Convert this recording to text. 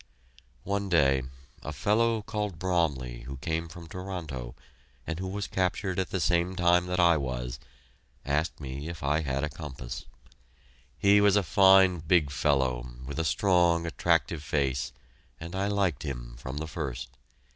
One day, a fellow called Bromley who came from Toronto, and who was captured at the same time that I was, asked me if I had a compass. He was a fine big fellow, with a strong, attractive face, and I liked him, from the first.